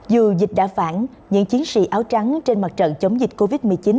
dù dịch đã phản những chiến sĩ áo trắng trên mặt trận chống dịch covid một mươi chín